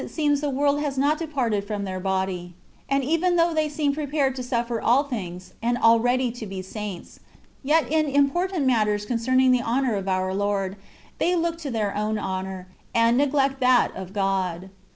245 seems the world has not departed from their body; and even though they seem prepared to suffer all things^ and already to be saints, yet in important matters concerning the honour of our Lord, they look to their own honour, and neglect that of God.